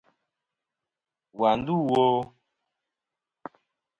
Wà ndû wo?